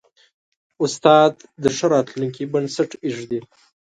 استاد د ښه راتلونکي بنسټ ایږدي.